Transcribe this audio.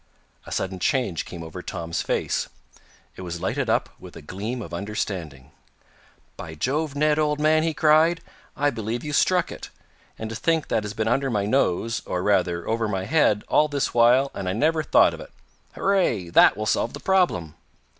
A sudden change came over Tom's face. It was lighted up with a gleam of understanding. "By Jove, Ned, old man!" he cried. "I believe you've struck it! And to think that has been under my nose, or, rather, over my head, all this while, and I never thought of it. Hurray! That will solve the problem!"